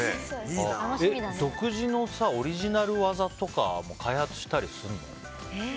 独自のオリジナル技とかも開発したりするの？